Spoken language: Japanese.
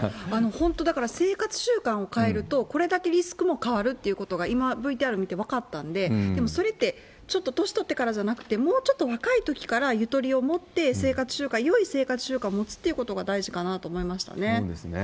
本当、だから、生活習慣を変えると、これだけリスクも変わるっていうことが、今、ＶＴＲ見て分かったんで、でも、それって、ちょっと年取ってからじゃなくて、もうちょっと若いときからゆとりを持って生活習慣、よい生活習慣持つっていうことが大事かなと思そうですね。